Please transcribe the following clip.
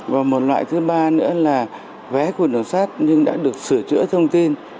và một loại thứ ba nữa là vé của đường sát nhưng đã được sửa chữa thông tin